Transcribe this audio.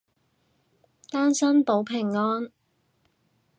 單身保平安